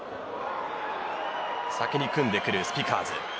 先に組んでくるスピカーズ。